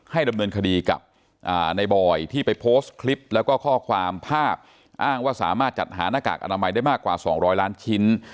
ดำเนินคดีกับในบอยที่ไปโพสต์คลิปแล้วก็ข้อความภาพอ้างว่าสามารถจัดหาหน้ากากอนามัยได้มากกว่า๒๐๐ล้านชิ้น